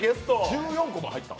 １４個も入った？